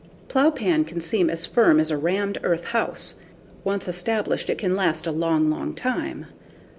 Plowpan can seem as firm as a rammed earth house; once established, it can last a long, long time.